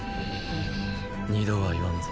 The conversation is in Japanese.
二度は言わんぞ。